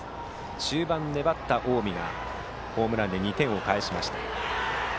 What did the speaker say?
中盤、粘った近江がホームランで２点を返しました。